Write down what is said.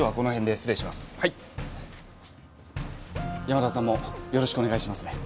山田さんもよろしくお願いしますね。